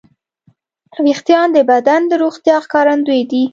وېښتيان د بدن د روغتیا ښکارندوی دي.